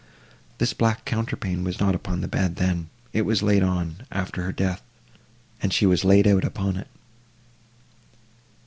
This black counterpane was not upon the bed then; it was laid on, after her death, and she was laid out upon it."